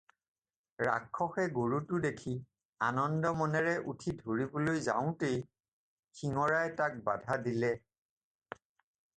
ৰাক্ষসে গৰুটো দেখি আনন্দ মনেৰে উঠি ধৰিবলৈ যাওঁতেই শিঙৰাই তাক বাধা দিলে।